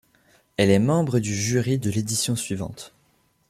Elle est membre du jury de l'édition suivante.